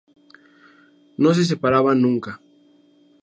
No se separaban nunca.